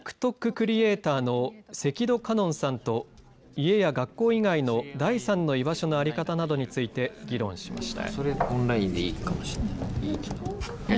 クリエイターの関戸かのんさんと家や学校以外の第三の居場所の在り方などについて議論しました。